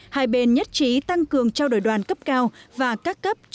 hai bên nhất trí tăng cường trao đổi đoàn cấp cao và các cấp